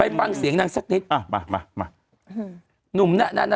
ไปปังเสียงนั่งสักนิดอ่ามามามาอืมหนุ่มน่ะน่ะน่ะ